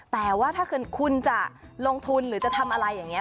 แต่ว่าถ้าเกิดคุณจะลงทุนหรือจะทำอะไรอย่างนี้